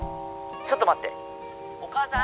ちょっと待ってお母さん